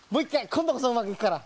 こんどこそうまくいくから。